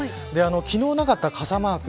昨日なかった傘マーク